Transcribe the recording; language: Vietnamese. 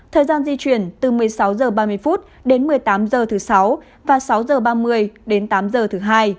thời gian di chuyển từ một mươi sáu h ba mươi đến một mươi tám h thứ sáu và sáu h ba mươi đến tám h thứ hai